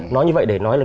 nói như vậy để nói là